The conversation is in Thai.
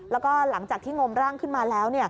แล้วก็หลังจากที่งมร่างขึ้นมาแล้ว